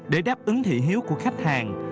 để đáp ứng thị hiếu của khách hàng